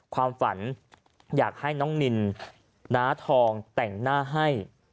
ความฝันอยากให้น้องนินน้าทองแต่งหน้าให้